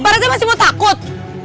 pak rethe masih mau takut